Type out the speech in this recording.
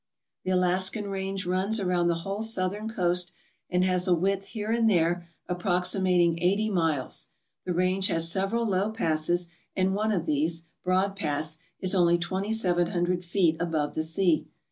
The Alaskan Range runs around the whole southern coast and has a width here and there approximating eighty miles. The Range has several low passes, and one of these, Broad Pass, is only twenty seven hundred feet above the sea.